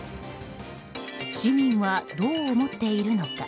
市民はどう思っているのか。